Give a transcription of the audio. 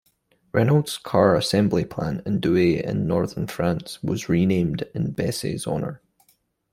Renault's car assembly plant in Douai in northern France, was renamed in Besse's honour.